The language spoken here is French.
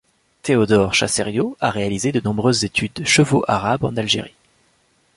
Théodore Chassériau a réalisé de nombreuses études de chevaux arabes en Algérie.